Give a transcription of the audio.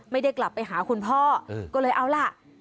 ไม่ได้กลับไปหาคุณพ่อก็เลยเอาล่ะ